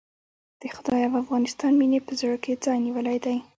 د خدای او افغانستان مينې په زړه کې ځای نيولی دی.